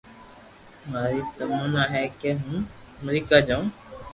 ماري تمنا ھي ڪي ھون امرڪا جاو